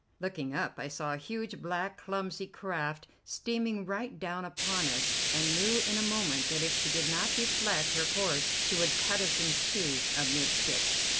Looking up, I saw a huge, black, clumsy craft steaming right down upon us, and knew in a moment that if she did not deflect her course she would cut us in two amidships.